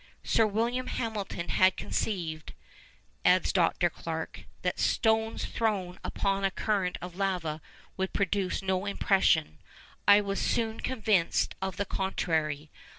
Sir William Hamilton had conceived,' adds Dr. Clarke, 'that stones thrown upon a current of lava would produce no impression. I was soon convinced of the contrary.